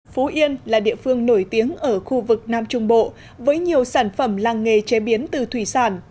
phú yên là địa phương nổi tiếng ở khu vực nam trung bộ với nhiều sản phẩm làng nghề chế biến từ thủy sản